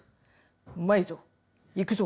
うまいぞ行くぞ！